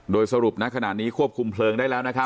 โดยสรุปณขณะนี้ควบคุมเพลิงได้แล้ว